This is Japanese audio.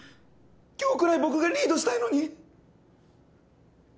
今日くらい僕がリードしたいのに！